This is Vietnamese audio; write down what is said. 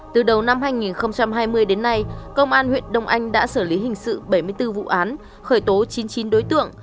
từ đầu năm hai nghìn hai mươi đến nay công an huyện đông anh đã xử lý hình sự bảy mươi bốn vụ án khởi tố chín mươi chín đối tượng